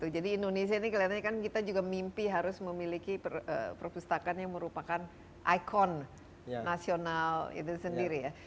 jadi indonesia ini kelihatannya kan kita juga mimpi harus memiliki perpustakaan yang merupakan ikon nasional itu sendiri ya